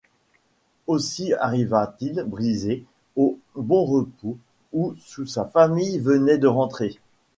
Aussi arriva-t-il brisé à Bonrepos où sa famille venait de rentrer.